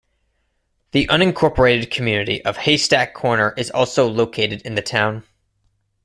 The unincorporated community of Hay Stack Corner is also located in the town.